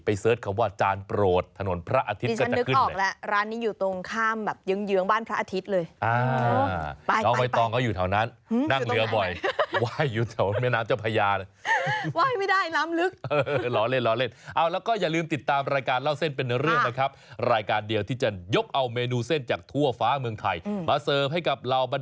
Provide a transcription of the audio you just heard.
ไปเสิร์ชคำว่าจานโปรดถนนพระอาทิตย์ก็จะขึ้นเลยดิฉันนึกออกแล้วร้านนี้อยู่ตรงข้ามแบบ